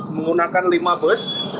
menggunakan lima bus